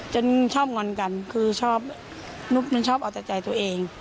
ชอบงอนกันคือชอบมันชอบเอาแต่ใจตัวเอง